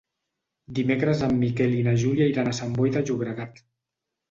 Dimecres en Miquel i na Júlia iran a Sant Boi de Llobregat.